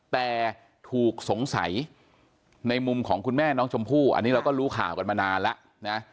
แต่ถูกสงสัยในมุมของคุณแม่น้องชมพู่อันนี้เราก็รู้ข่าวกันมานานแล้วนะ